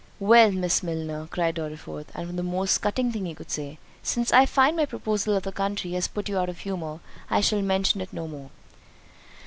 "Well, Miss Milner," cried Dorriforth, (and the most cutting thing he could say,) "since I find my proposal of the country has put you out of humour, I shall mention it no more."